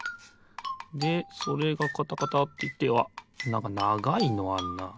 でそれがカタカタっていってあっなんかながいのあんな。